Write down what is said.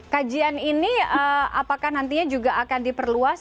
kajian ini apakah nantinya juga akan diperluas